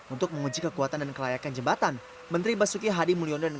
untuk menguji kekuatan dan kelayakan jembatan menteri basuki hadi mulyono